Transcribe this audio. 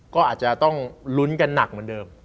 ก็อาจจะต้องลุ้นกันหนักเหมือนเดิม